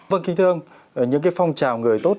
vâng kinh thương những cái phong trào người tốt